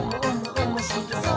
おもしろそう！」